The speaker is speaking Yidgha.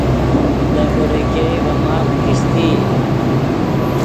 دے بیڑے ګئے ڤے ماف کیستئی